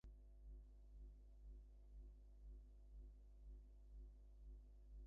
তাই সে যেন মাথা তুলিয়া সোজা হইয়া উঠিয়াছে, তাহার সরলতার মধ্যে সবলতা আছে।